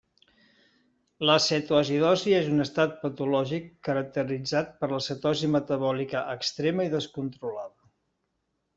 La cetoacidosi és un estat patològic caracteritzat per la cetosi metabòlica extrema i descontrolada.